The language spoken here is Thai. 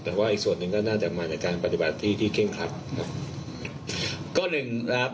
แต่ว่าอีกส่วนหนึ่งก็น่าจะมาจากการปฏิบัติที่ที่เคร่งครัดครับก็หนึ่งนะครับ